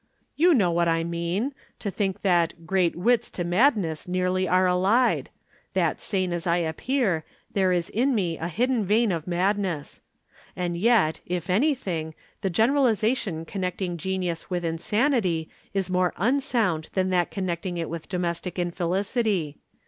"You know what I mean. You think that 'great wits to madness nearly are allied,' that sane as I appear, there is in me a hidden vein of madness. And yet, if anything, the generalization connecting genius with insanity is more unsound than that connecting it with domestic infelicity.